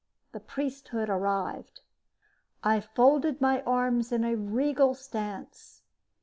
The priesthood arrived. I folded my arms in a regal stance.